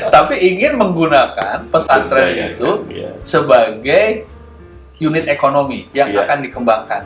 tapi ingin menggunakan pesantren itu sebagai unit ekonomi yang akan dikembangkan